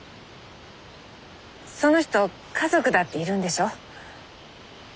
その人家族だっているんでしょう？